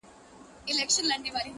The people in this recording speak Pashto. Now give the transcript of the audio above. اوس خورا په خړپ رپيږي ورځ تېرېږي”